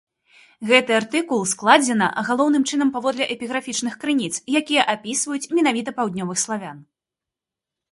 Гэты артыкул складзена галоўным чынам паводле эпіграфічных крыніц, якія апісваюць менавіта паўднёвых славян.